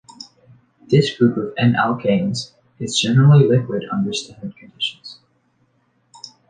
This group of n-alkanes is generally liquid under standard conditions.